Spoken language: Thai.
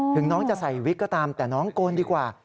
น้องจะใส่วิกก็ตามแต่น้องโกนดีกว่า